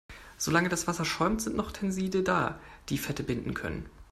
Solange das Wasser schäumt, sind noch Tenside da, die Fette binden können.